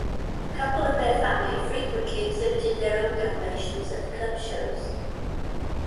The couple and their family frequently exhibited their own Dalmatians at club shows.